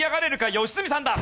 良純さんだ！